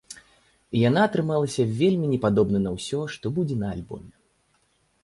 І яна атрымалася вельмі не падобнай на ўсё, што будзе на альбоме.